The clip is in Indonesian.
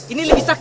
ini lebih sakit